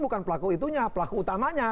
bukan pelaku itunya pelaku utamanya